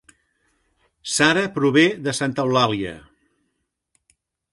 Sara prové de Santa Eulàlia